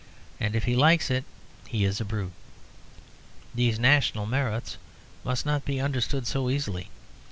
And if he likes it, he is a brute. These national merits must not be understood so easily.